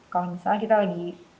kalau misalnya kita lagi